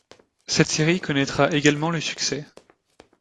Cette série connaitra également le succès.